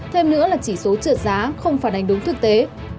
thêm nữa là chỉ số trượt giá không phản ánh đúng thực tế